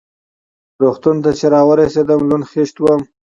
روغتون ته چې را ورسېدم لوند خېشت وم.